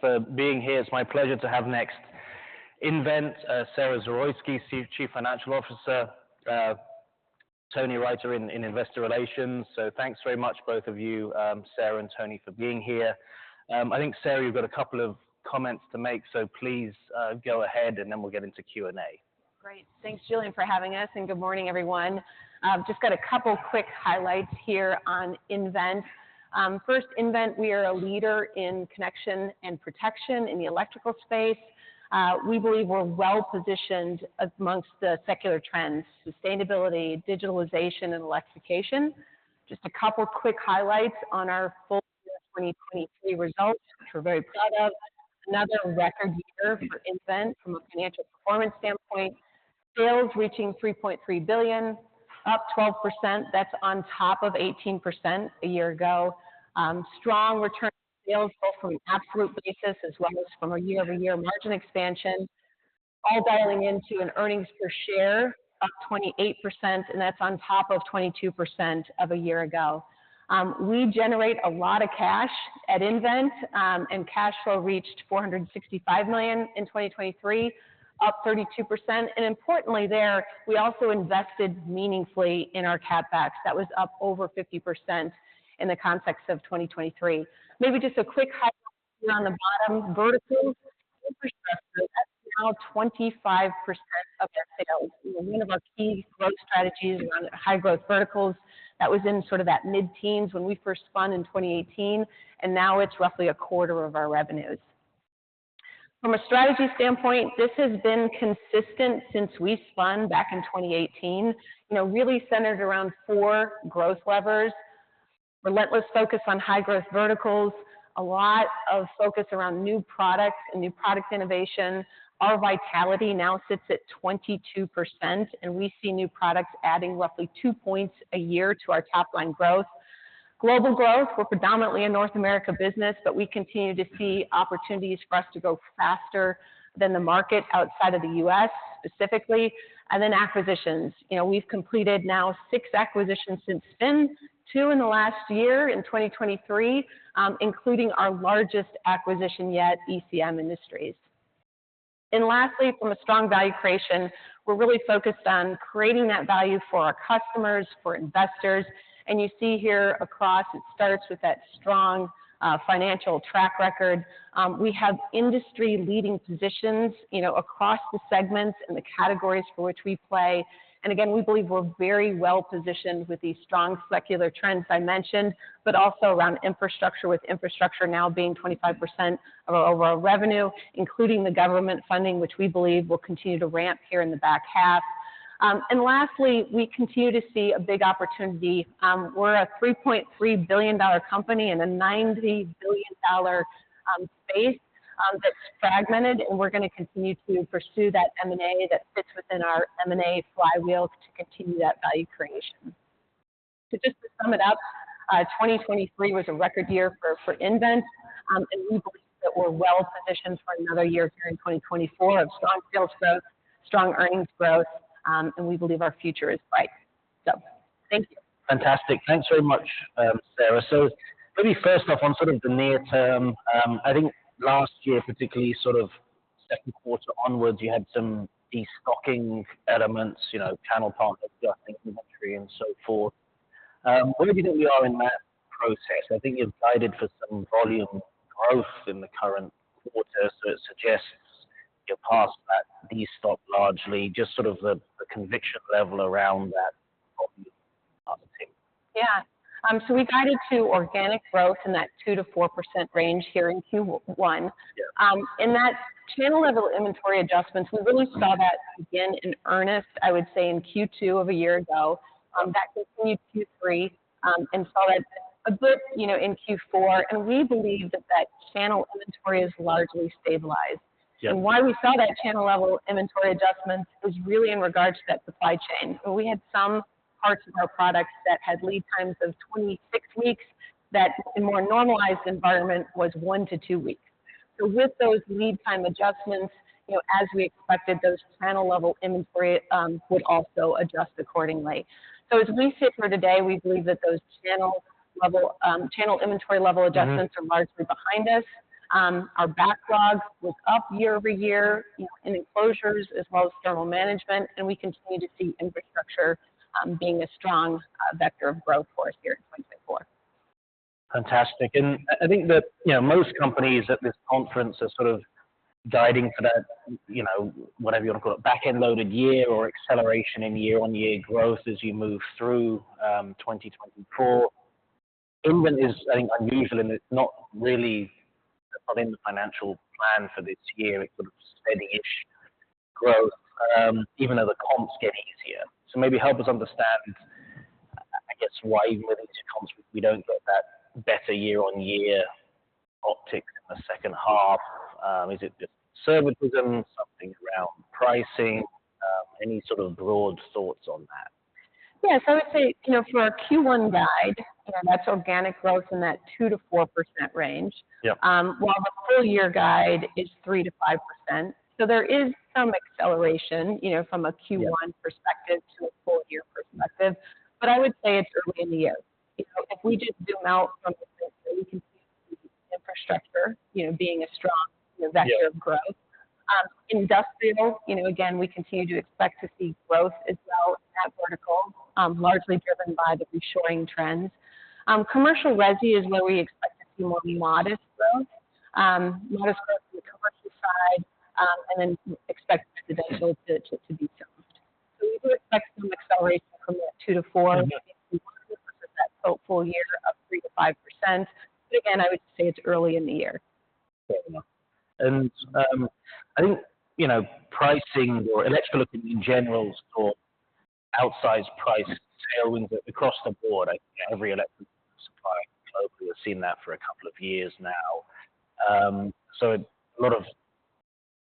for being here. It's my pleasure to have next, nVent, Sara Zawoyski, Chief Financial Officer, Tony Riter in Investor Relations. So thanks very much, both of you, Sara and Tony, for being here. I think, Sara, you've got a couple of comments to make, so please, go ahead, and then we'll get into Q&A. Great. Thanks, Julian, for having us, and good morning, everyone. Just got a couple quick highlights here on nVent. First, nVent, we are a leader in connection and protection in the electrical space. We believe we're well positioned amongst the secular trends: sustainability, digitalization, and electrification. Just a couple of quick highlights on our full year 2023 results, which we're very proud of. Another record year for nVent from a financial performance standpoint. Sales reaching $3.3 billion, up 12%. That's on top of 18% a year ago. Strong return on sales, both from an absolute basis as well as from a year-over-year margin expansion, all dialing into an earnings per share, up 28%, and that's on top of 22% of a year ago. We generate a lot of cash at nVent, and cash flow reached $465 million in 2023, up 32%. Importantly there, we also invested meaningfully in our CapEx. That was up over 50% in the context of 2023. Maybe just a quick highlight on the bottom verticals. Infrastructure is now 25% of our sales. One of our key growth strategies around high growth verticals, that was in sort of that mid-teens when we first spun in 2018, and now it's roughly 25% of our revenues. From a strategy standpoint, this has been consistent since we spun back in 2018, you know, really centered around 4 growth levers. Relentless focus on high growth verticals, a lot of focus around new products and new product innovation. Our vitality now sits at 22%, and we see new products adding roughly 2 points a year to our top line growth. Global growth, we're predominantly a North America business, but we continue to see opportunities for us to grow faster than the market outside of the U.S., specifically, and then acquisitions. You know, we've completed now 6 acquisitions since spin, 2 in the last year, in 2023, including our largest acquisition yet, ECM Industries. And lastly, from a strong value creation, we're really focused on creating that value for our customers, for investors. And you see here across, it starts with that strong, financial track record. We have industry-leading positions, you know, across the segments and the categories for which we play. And again, we believe we're very well positioned with these strong secular trends I mentioned, but also around infrastructure, with infrastructure now being 25% of our overall revenue, including the government funding, which we believe will continue to ramp here in the back half. And lastly, we continue to see a big opportunity. We're a $3.3 billion-dollar company in a $90 billion-dollar space that's fragmented, and we're gonna continue to pursue that M&A that fits within our M&A flywheel to continue that value creation. So just to sum it up, 2023 was a record year for nVent, and we believe that we're well positioned for another year here in 2024 of strong sales growth, strong earnings growth, and we believe our future is bright. So thank you. Fantastic. Thanks very much, Sara. So maybe first off, on sort of the near term, I think last year, particularly sort of second quarter onwards, you had some destocking elements, you know, channel partners, I think, inventory and so forth. Where do we think we are in that process? I think you've guided for some volume growth in the current quarter, so it suggests you're past that destock largely, just sort of the, the conviction level around that volume optic. Yeah. So we guided to organic growth in that 2%-4% range here in Q1. Yeah. and that channel level inventory adjustments, we really saw that again in earnest, I would say, in Q2 of a year ago. That continued Q3, and saw that a bit, you know, in Q4, and we believe that that channel inventory is largely stabilized. Yeah. Why we saw that channel level inventory adjustments was really in regards to that supply chain, where we had some parts of our products that had lead times of 26 weeks, that in more normalized environment was 1-2 weeks. So with those lead time adjustments, you know, as we expected, those channel level inventory would also adjust accordingly. So as we sit here today, we believe that those channel level channel inventory level adjustments- Mm-hmm. -are largely behind us. Our backlogs were up year-over-year, you know, in Enclosures as well as Thermal Management, and we continue to see infrastructure being a strong vector of growth for us here in 2024. Fantastic. And I, I think that, you know, most companies at this conference are sort of guiding for that, you know, whatever you want to call it, back-end loaded year or acceleration in year-on-year growth as you move through 2024. nVent is, I think, unusual, and it's not really in the financial plan for this year, it's sort of steady-ish growth, even though the comps get easier. So maybe help us understand, I guess, why even with these comps, we don't get that better year-on-year optic in the second half. Is it just conservatism, something around pricing? Any sort of broad thoughts on that? Yeah. So I would say, you know, for our Q1 guide, you know, that's organic growth in that 2%-4% range. Yeah. While the full year guide is 3%-5%. So there is some acceleration, you know, from a Q1- Yeah perspective to a full year perspective, but I would say it's early in the year. You know, if we just zoom out from the perspective, infrastructure, you know, being a strong vector of growth. Industrial, you know, again, we continue to expect to see growth as well in that vertical, largely driven by the reshoring trends. Commercial Resi is where we expect to see more modest growth, modest growth on the commercial side, and then expect the data to be jumped. So we do expect some acceleration from that 2-4, that full year of 3%-5%. But again, I would say it's early in the year. I think, you know, pricing or electrical in general, saw outsized price tailwinds across the board. I think every electric supplier globally have seen that for a couple of years now. So a lot of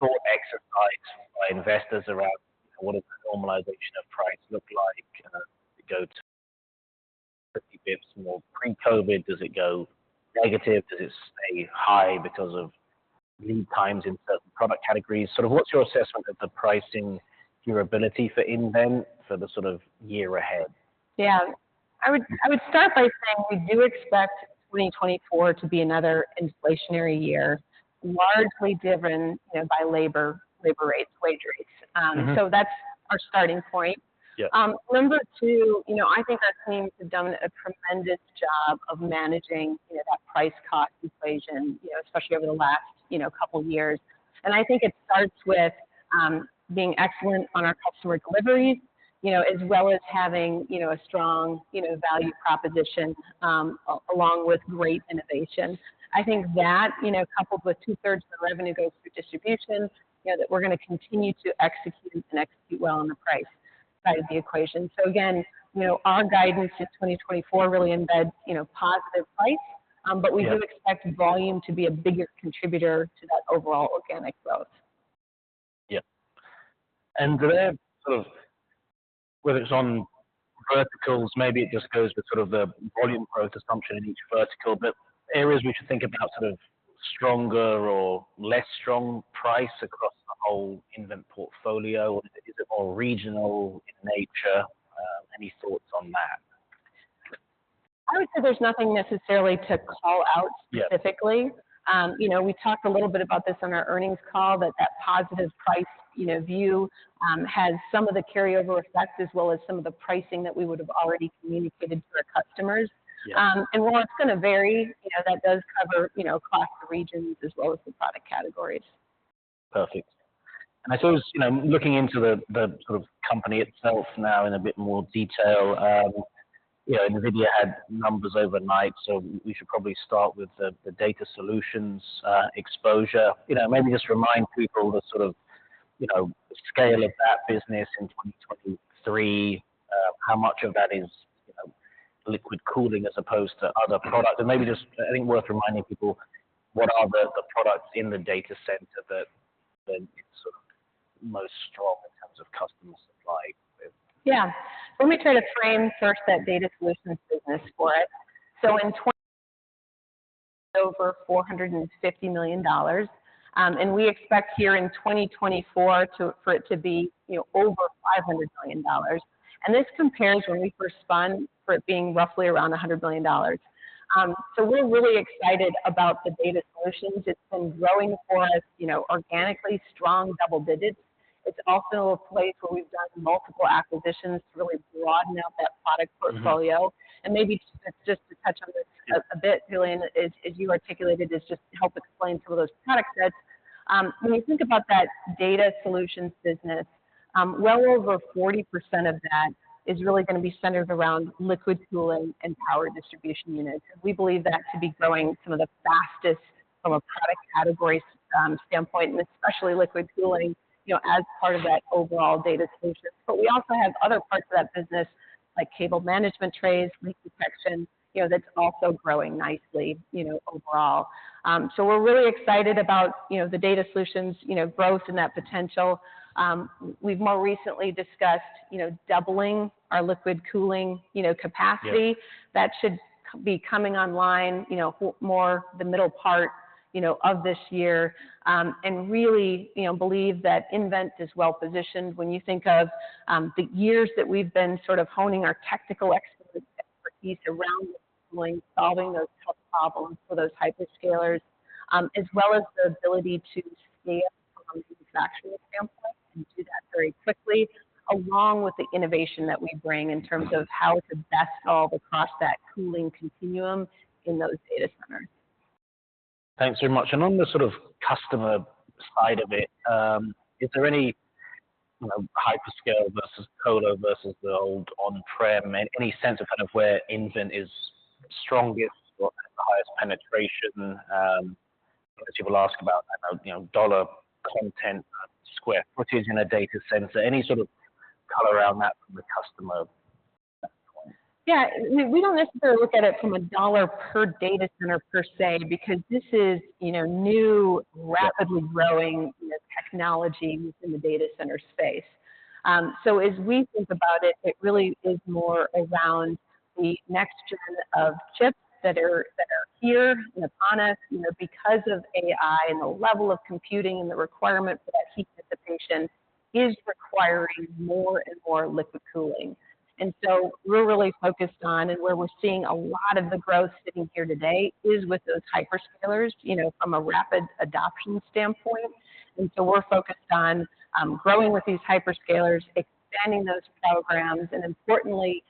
thought exercises by investors around what does the normalization of price look like? Does it go to more pre-COVID? Does it go negative? Does it stay high because of lead times in certain product categories? Sort of what's your assessment of the pricing durability for nVent for the sort of year ahead? Yeah. I would, I would start by saying we do expect 2024 to be another inflationary year, largely driven, you know, by labor, labor rates, wage rates. Mm-hmm. So that's our starting point. Yeah. Number two, you know, I think our teams have done a tremendous job of managing, you know, that price cost equation, you know, especially over the last, you know, couple of years. And I think it starts with, being excellent on our customer deliveries, you know, as well as having, you know, a strong, you know, value proposition, along with great innovation. I think that, you know, coupled with two-thirds of the revenue goes through distribution, you know, that we're gonna continue to execute and execute well on the price side of the equation. So again, you know, our guidance to 2024 really embeds, you know, positive price, Yeah. but we do expect volume to be a bigger contributor to that overall organic growth. Yeah. And do they have, sort of, whether it's on verticals, maybe it just goes with sort of the volume growth assumption in each vertical, but areas we should think about sort of stronger or less strong price across the whole nVent portfolio? Is it more regional in nature? Any thoughts on that? I would say there's nothing necessarily to call out- Yeah - specifically. You know, we talked a little bit about this on our earnings call, that that positive price, you know, view, has some of the carryover effects as well as some of the pricing that we would have already communicated to our customers. Yeah. And while it's gonna vary, you know, that does cover, you know, across the regions as well as the product categories. Perfect. I thought, you know, looking into the, the sort of company itself now in a bit more detail, you know, NVIDIA had numbers overnight, so we should probably start with the, the Data Solutions, exposure. You know, maybe just remind people the sort of, you know, scale of that business in 2023, how much of that is, you know, liquid cooling as opposed to other products? And maybe just, I think, worth reminding people, what are the, the products in the data center that are sort of most strong in terms of customer supply? Yeah. Let me try to frame first that Data Solutions business for it. So in 2020 over $450 million, and we expect here in 2024 to, for it to be, you know, over $500 million. And this compares when we first spun for it being roughly around $100 million. So we're really excited about the Data Solutions. It's been growing for us, you know, organically, strong double digits. It's also a place where we've done multiple acquisitions to really broaden out that product portfolio. Mm-hmm. And maybe just to touch on this a bit, Julian, as you articulated, this just help explain some of those product sets. When we think about that Data Solutions business, well over 40% of that is really gonna be centered around liquid cooling and power distribution units. We believe that to be growing some of the fastest from a product category standpoint, and especially liquid cooling, you know, as part of that overall Data Solutions. But we also have other parts of that business, like cable management trays, leak detection, you know, that's also growing nicely, you know, overall. So we're really excited about, you know, the Data Solutions, you know, growth and that potential. We've more recently discussed, you know, doubling our liquid cooling, you know, capacity. Yeah. That should be coming online, you know, more the middle part, you know, of this year. Really, you know, believe that nVent is well positioned when you think of the years that we've been sort of honing our technical expertise around solving those problems for those hyperscalers, as well as the ability to scale from a manufacturing standpoint, and do that very quickly, along with the innovation that we bring in terms of how to best solve across that cooling continuum in those data centers. Thanks very much. And on the sort of customer side of it, is there any, you know, hyperscale versus colo versus the old on-prem, any sense of kind of where nVent is strongest or highest penetration? People ask about, you know, dollar content, square footage in a data center. Any sort of color around that from the customer point? Yeah, we don't necessarily look at it from a dollar per data center per se, because this is, you know, new, rapidly growing, you know, technology within the data center space. So as we think about it, it really is more around the next-gen of chips that are here and upon us, you know, because of AI and the level of computing and the requirement for that heat dissipation is requiring more and more liquid cooling. And so we're really focused on, and where we're seeing a lot of the growth sitting here today, is with those hyperscalers, you know, from a rapid adoption standpoint. And so we're focused on, growing with these hyperscalers, expanding those programs, and importantly,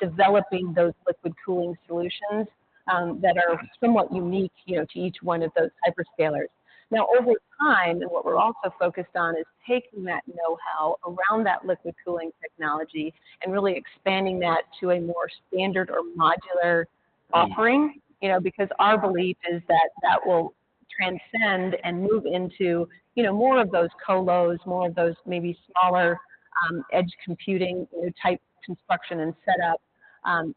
developing those liquid cooling solutions, that are somewhat unique, you know, to each one of those hyperscalers. Now, over time, and what we're also focused on, is taking that know-how around that liquid cooling technology and really expanding that to a more standard or modular offering. Mm-hmm. You know, because our belief is that that will transcend and move into, you know, more of those colos, more of those maybe smaller, edge computing, type construction and setup, and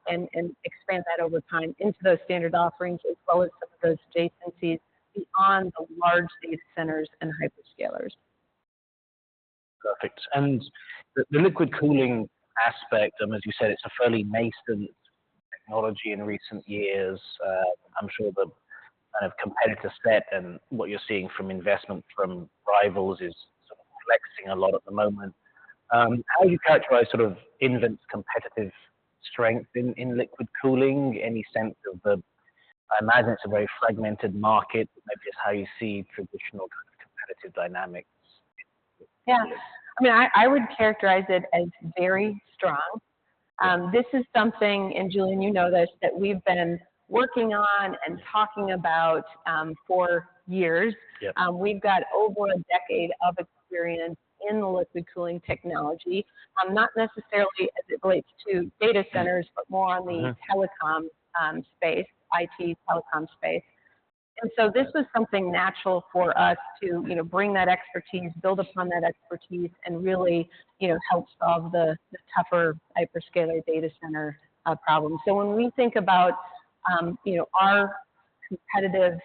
expand that over time into those standard offerings, as well as some of those adjacencies beyond the large data centers and hyperscalers. Perfect. And the liquid cooling aspect, and as you said, it's a fairly nascent technology in recent years. I'm sure the kind of competitive step and what you're seeing from investment from rivals is sort of flexing a lot at the moment. How would you characterize sort of nVent's competitive strength in liquid cooling? Any sense of the. I imagine it's a very fragmented market, maybe just how you see traditional kind of competitive dynamics? Yeah. I mean, I would characterize it as very strong. This is something, and Julian, you know this, that we've been working on and talking about, for years. Yep. We've got over a decade of experience in the liquid cooling technology, not necessarily as it relates to data centers, but more on the- Mm-hmm... telecom space, IT telecom space. And so this is something natural for us to, you know, bring that expertise, build upon that expertise, and really, you know, help solve the tougher hyperscaler data center problems. So when we think about, you know, our competitive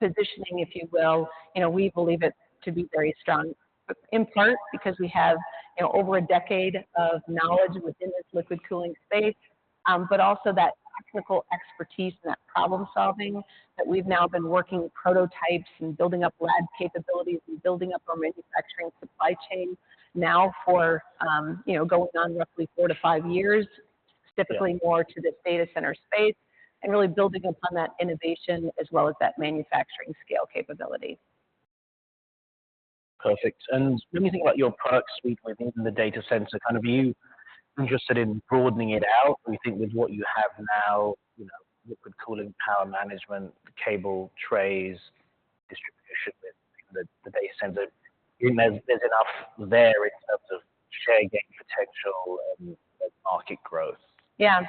positioning, if you will, you know, we believe it to be very strong, in part, because we have, you know, over a decade of knowledge within this liquid cooling space, but also that technical expertise and that problem-solving that we've now been working with prototypes and building up lab capabilities and building up our manufacturing supply chain now for, you know, going on roughly 4-5 years. Yeah. Specifically more to this data center space, and really building upon that innovation as well as that manufacturing scale capability. Perfect. When you think about your product suite within the data center, kind of are you interested in broadening it out? Do you think with what you have now, you know, liquid cooling, power management, cable trays, distribution with the data center, there's enough there in terms of share gain potential and market growth? Yeah.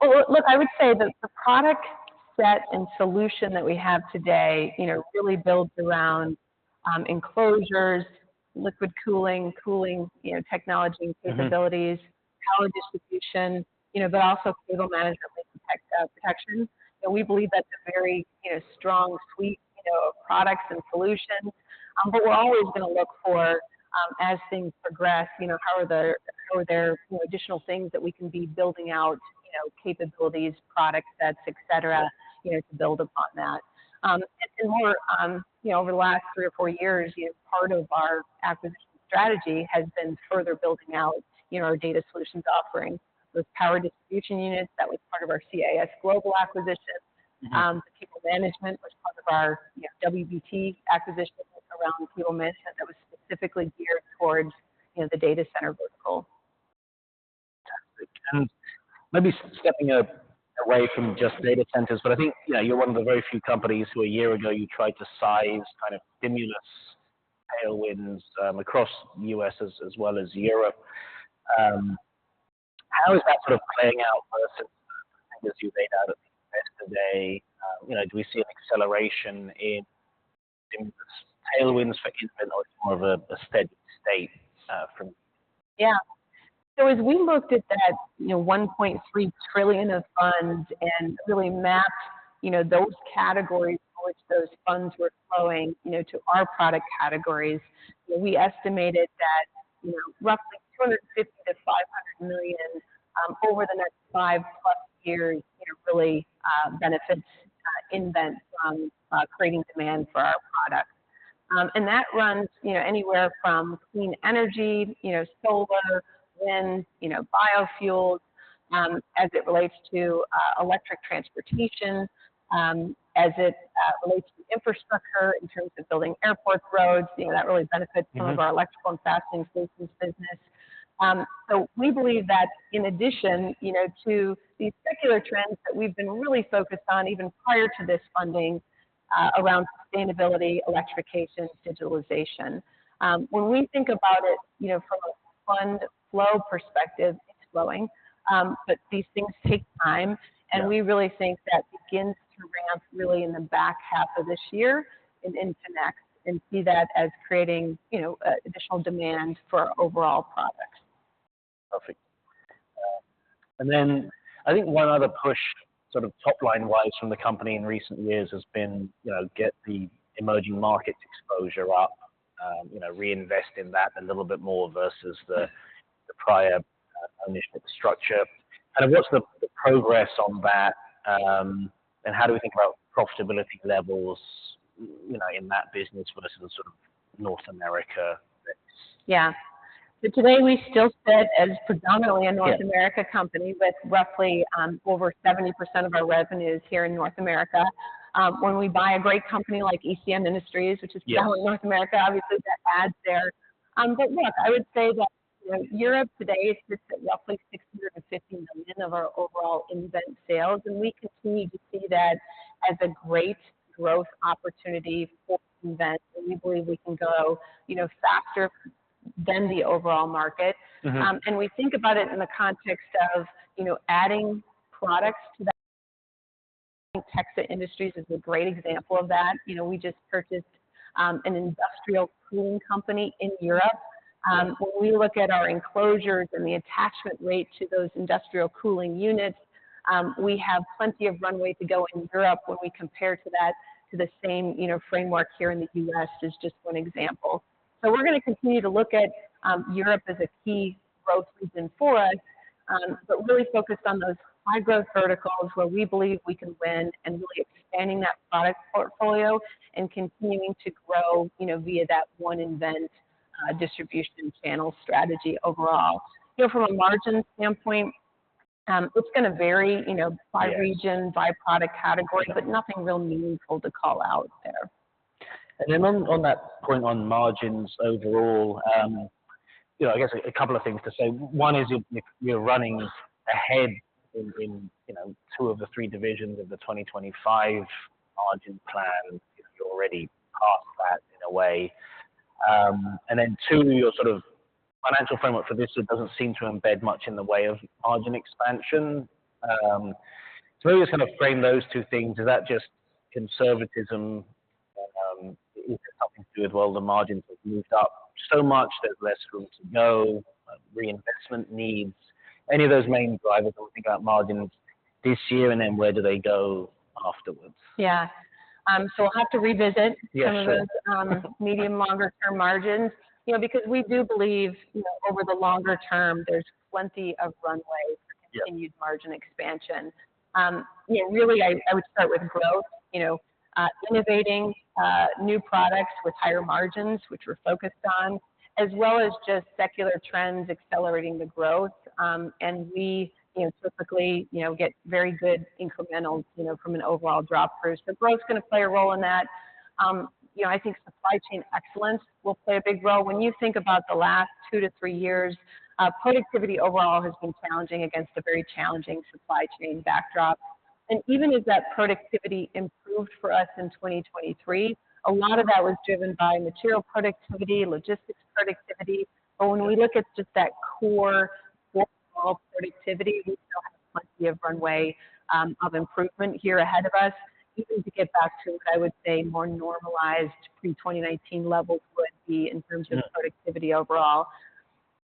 Well, look, I would say that the product set and solution that we have today, you know, really builds around, enclosures, liquid cooling, cooling, you know, technology capabilities- Mm-hmm. power distribution, you know, but also cable management and tech protection. So we believe that's a very, you know, strong suite, you know, of products and solutions. But we're always gonna look for, as things progress, you know, are there additional things that we can be building out, you know, capabilities, product sets, et cetera, you know, to build upon that. And more, you know, over the last three or four years, you know, part of our acquisition strategy has been further building out, you know, our Data Solutions offerings with power distribution units. That was part of our CIS Global acquisition. Mm-hmm. The cable management was part of our, you know, WBT acquisition around FY '20, and that was specifically geared towards, you know, the data center vertical. Maybe stepping away from just data centers, but I think, you know, you're one of the very few companies who, a year ago, you tried to size kind of stimulus tailwinds across the US as well as Europe. How is that sort of playing out versus as you laid out at the end of the day? You know, do we see an acceleration in tailwinds for nVent, or it's more of a steady state from- Yeah. So as we looked at that, you know, $1.3 trillion of funds and really mapped, you know, those categories in which those funds were flowing, you know, to our product categories, we estimated that, you know, roughly $250 million-$500 million over the next 5+ years, you know, really, benefits nVent from creating demand for our products. And that runs, you know, anywhere from clean energy, you know, solar, wind, you know, biofuels, as it relates to electric transportation, as it relates to infrastructure in terms of building airports, roads, you know, that really benefits- Mm-hmm... some of our Electrical and Fastening Solutions business. We believe that in addition, you know, to these secular trends that we've been really focused on, even prior to this funding, around sustainability, electrification, digitalization. When we think about it, you know, from a fund flow perspective, it's flowing. But these things take time. Yeah. And we really think that begins to ramp really in the back half of this year and into next, and see that as creating, you know, additional demand for our overall products. Perfect. And then I think one other push, sort of top-line wise from the company in recent years has been, you know, get the emerging market exposure up, you know, reinvest in that a little bit more versus the prior... ownership of the structure. And what's the progress on that, and how do we think about profitability levels, you know, in that business versus the sort of North America mix? Yeah. So today, we still sit as predominantly a North America company, with roughly over 70% of our revenues here in North America. When we buy a great company like ECM Industries, which is primarily North America, obviously, that adds there. But look, I would say that, you know, Europe today sits at roughly $650 million of our overall nVent sales, and we continue to see that as a great growth opportunity for nVent, and we believe we can go, you know, faster than the overall market. Mm-hmm. And we think about it in the context of, you know, adding products to that. TEXA Industries is a great example of that. You know, we just purchased an industrial cooling company in Europe. When we look at our Enclosures and the attachment rate to those industrial cooling units, we have plenty of runway to go in Europe when we compare to that, to the same, you know, framework here in the US, is just one example. So we're gonna continue to look at Europe as a key growth region for us, but really focused on those high-growth verticals where we believe we can win and really expanding that product portfolio and continuing to grow, you know, via that one nVent distribution channel strategy overall. You know, from a margin standpoint, it's gonna vary, you know, by region- Yes. by product category, but nothing real meaningful to call out there. And then on that point on margins overall, you know, I guess a couple of things to say. One is you're running ahead in, you know, two of the three divisions of the 2025 margin plan. You're already past that, in a way. And then two, your sort of financial framework for this year doesn't seem to embed much in the way of margin expansion. So maybe just kind of frame those two things. Is that just conservatism, helping to do it? Well, the margins have moved up so much, there's less room to know, reinvestment needs. Any of those main drivers when we think about margins this year, and then where do they go afterwards? Yeah. So we'll have to revisit- Yeah, sure. -some of those, medium, longer-term margins, you know, because we do believe, you know, over the longer term, there's plenty of runway- Yeah -for continued margin expansion. You know, really, I would start with growth, you know, innovating new products with higher margins, which we're focused on, as well as just secular trends accelerating the growth. And we, you know, typically, you know, get very good incremental, you know, from an overall drop through. So growth's gonna play a role in that. You know, I think supply chain excellence will play a big role. When you think about the last 2-3 years, productivity overall has been challenging against a very challenging supply chain backdrop. And even as that productivity improved for us in 2023, a lot of that was driven by material productivity, logistics productivity. But when we look at just that core overall productivity, we still have plenty of runway of improvement here ahead of us, even to get back to what I would say more normalized pre-2019 levels would be in terms of- Yeah productivity overall.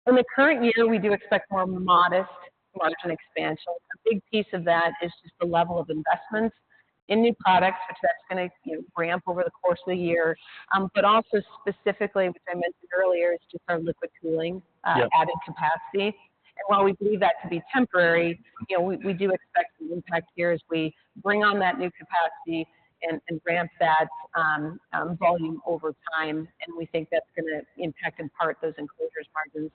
In the current year, we do expect more modest margin expansion. A big piece of that is just the level of investment in new products, which that's gonna, you know, ramp over the course of the year. But also specifically, which I mentioned earlier, is just our liquid cooling. Yeah Added capacity. And while we believe that to be temporary, you know, we do expect an impact here as we bring on that new capacity and ramp that volume over time, and we think that's gonna impact, in part, those Enclosures margins.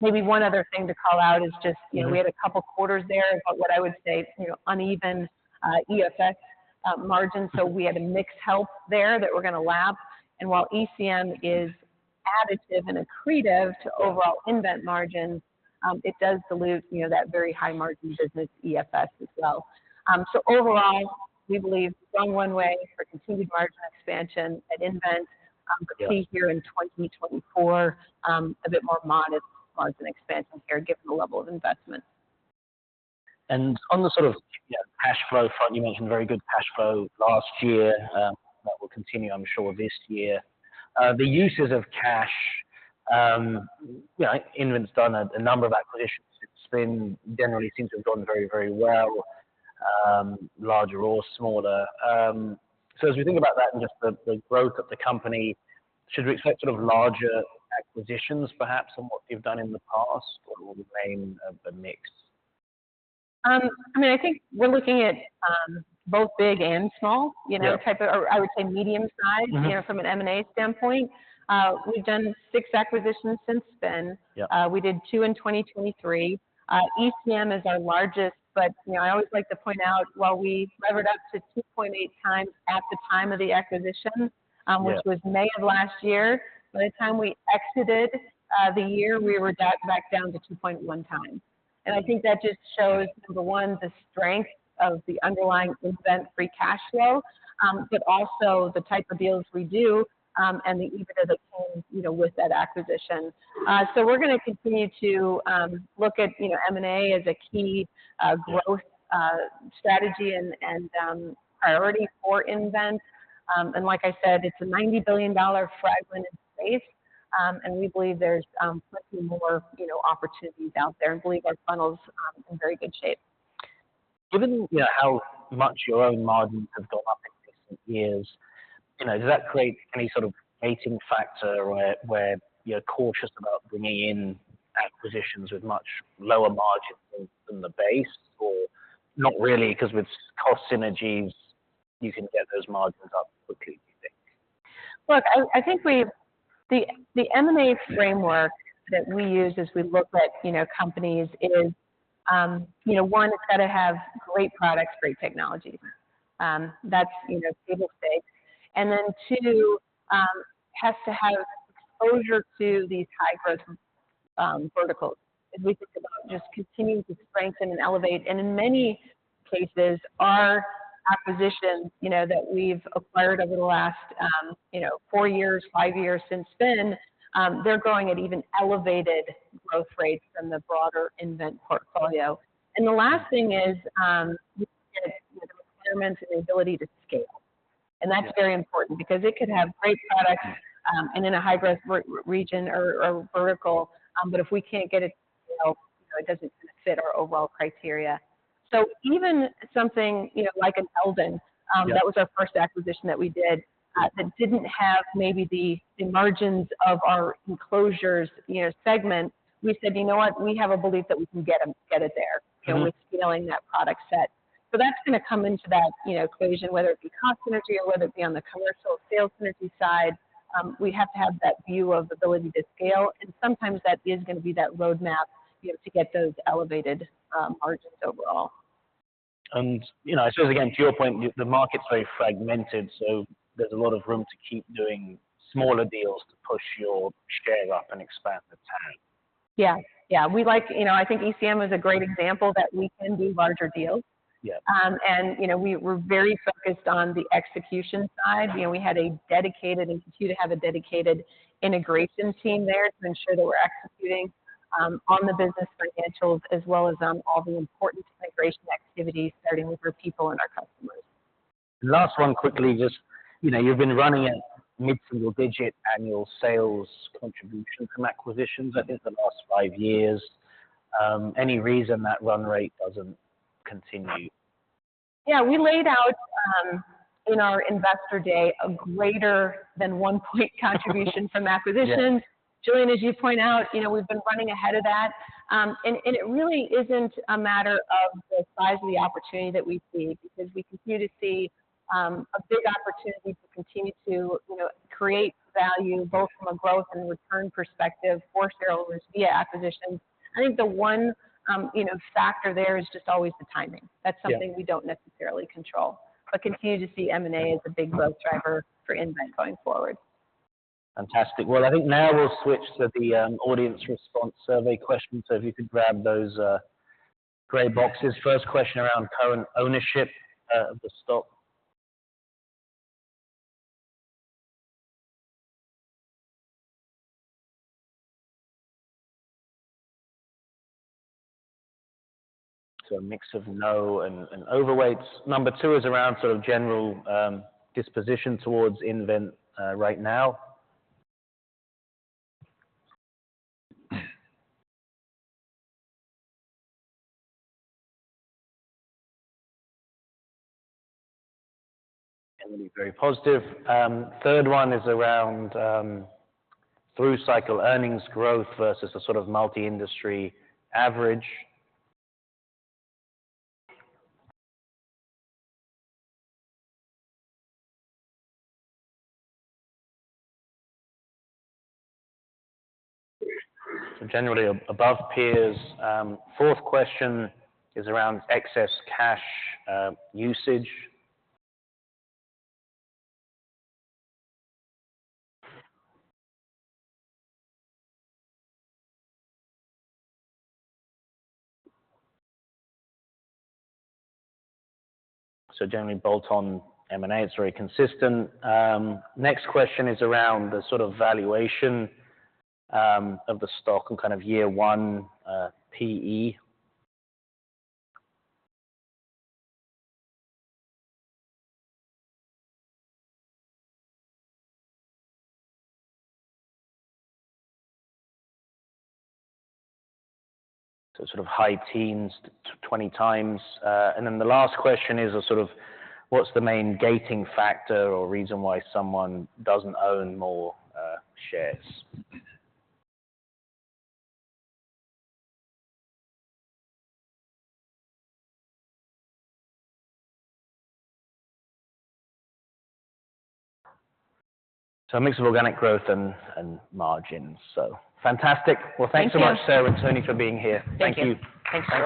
Maybe one other thing to call out is just- Mm-hmm You know, we had a couple quarters there, but what I would say, you know, uneven EFS margins. So we had a mixed health there that we're gonna lap. And while ECM is additive and accretive to overall nVent margins, it does dilute, you know, that very high-margin business, EFS, as well. So overall, we believe strong one way for continued margin expansion at nVent, but see here in 2024, a bit more modest margin expansion here, given the level of investment. On the sort of, you know, cash flow front, you mentioned very good cash flow last year. That will continue, I'm sure, this year. The uses of cash, you know, nVent's done a number of acquisitions. It's been... Generally seems to have gone very, very well, larger or smaller. So as we think about that and just the growth of the company, should we expect sort of larger acquisitions, perhaps, on what you've done in the past, or will we maintain the mix? I mean, I think we're looking at both big and small, you know- Yeah or I would say medium size. Mm-hmm. You know, from an M&A standpoint, we've done six acquisitions since then. Yeah. We did two in 2023. ECM is our largest, but, you know, I always like to point out, while we levered up to 2.8 times at the time of the acquisition- Yeah... which was May of last year, by the time we exited the year, we were back down to 2.1 times. And I think that just shows, number one, the strength of the underlying nVent free cash flow, but also the type of deals we do, and the EBITDA that came, you know, with that acquisition. So we're gonna continue to look at, you know, M&A as a key growth- Yeah Strategy and priority for nVent. Like I said, it's a $90 billion fragmented space, and we believe there's plenty more, you know, opportunities out there, and believe our funnel's in very good shape.... Given, you know, how much your own margins have gone up in recent years, you know, does that create any sort of gating factor where you're cautious about bringing in acquisitions with much lower margins than the base? Or not really, 'cause with cost synergies, you can get those margins up quickly, you think? Well, I think the M&A framework that we use as we look at, you know, companies is, you know, one, it's gotta have great products, great technologies. That's, you know, table stake. And then two, has to have exposure to these hybrid verticals. As we think about just continuing to strengthen and elevate, and in many cases, our acquisitions, you know, that we've acquired over the last, you know, four years, five years since then, they're growing at even elevated growth rates from the broader nVent portfolio. And the last thing is, you know, the requirements and the ability to scale. And that's very important because it could have great products, and in a hybrid region or vertical, but if we can't get it to scale, you know, it doesn't fit our overall criteria. So even something, you know, like an Eldon, that was our first acquisition that we did, that didn't have maybe the margins of our Enclosures segment. We said: "You know what? We have a belief that we can get it there- Mm-hmm. -,"you know, with scaling that product set." So that's gonna come into that, you know, equation, whether it be cost synergy or whether it be on the commercial sales synergy side. We have to have that view of ability to scale, and sometimes that is gonna be that roadmap, you know, to get those elevated margins overall. You know, I suppose, again, to your point, the market's very fragmented, so there's a lot of room to keep doing smaller deals to push your scale up and expand the TAM. Yeah. Yeah, we like... You know, I think ECM is a great example that we can do larger deals. Yeah. You know, we're very focused on the execution side. You know, we had a dedicated institute to have a dedicated integration team there to ensure that we're executing on the business financials, as well as on all the important integration activities, starting with our people and our customers. Last one, quickly, just, you know, you've been running at mid-single digit annual sales contribution from acquisitions, I think, the last five years. Any reason that run rate doesn't continue? Yeah, we laid out in our investor day a greater than 1 point contribution from acquisitions. Yeah. Julian, as you point out, you know, we've been running ahead of that. And it really isn't a matter of the size of the opportunity that we see, because we continue to see a big opportunity to continue to, you know, create value, both from a growth and return perspective for shareholders via acquisitions. I think the one, you know, factor there is just always the timing. Yeah. That's something we don't necessarily control, but continue to see M&A as a big growth driver for nVent going forward. Fantastic. Well, I think now we'll switch to the, audience response survey questions. So if you could grab those, gray boxes. First question around co-ownership, of the stock. So a mix of no and, and overweights. Number 2 is around sort of general, disposition towards nVent, right now. Very positive. Third one is around, through cycle earnings growth versus the sort of multi-industry average. So generally above peers. Fourth question is around excess cash, usage. So generally, bolt on M&A, it's very consistent. Next question is around the sort of valuation, of the stock and kind of year one, PE. So sort of high teens to 20 times. And then the last question is a sort of what's the main gating factor or reason why someone doesn't own more, shares? So a mix of organic growth and margins. So fantastic. Thank you. Well, thanks so much, Sara Zawoyski and Tony Riter, for being here. Thank you. Thank you. Thanks, guys.